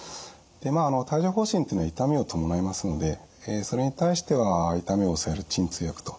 でまあ帯状ほう疹っていうのは痛みを伴いますのでそれに対しては痛みを抑える鎮痛薬と。